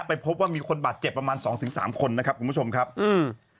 พบว่ามีคนบาดเจ็บประมาณสองถึงสามคนนะครับคุณผู้ชมครับอืม